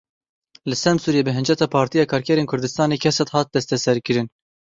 Li Semsûrê bi hinceta Partiya Karkerên Kurdistanê kesek hat desteserkirin.